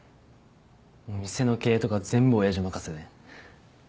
店の経営とかは全部おやじ任せで。